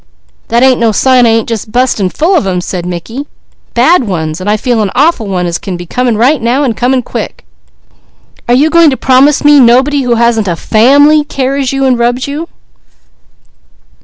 "That ain't no sign I ain't just busting full of them," said Mickey. "Bad ones, and I feel an awful one as can be coming right now, and coming quick. Are you going to promise me nobody who hasn't a family, carries you, and rubs you?"